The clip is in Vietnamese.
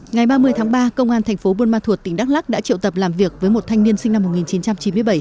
ngày ba mươi tháng ba công an thành phố buôn ma thuột tỉnh đắk lắc đã triệu tập làm việc với một thanh niên sinh năm một nghìn chín trăm chín mươi bảy